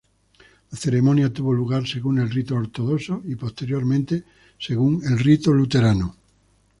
La ceremonia tuvo lugar según el rito ortodoxo y posteriormente según el rito luterano.